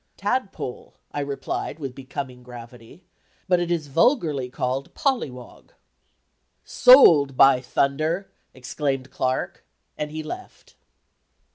"Tadpole," I replied with becoming gravity, "but it is vulgarly called 'pollywog.'" "Sold, by thunder!" exclaimed Clark, and he left.